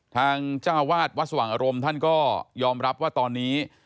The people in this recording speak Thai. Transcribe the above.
ทางเจ้าวาดวัดสว่างอารมณ์ท่านก็ยอมรับว่าตอนนี้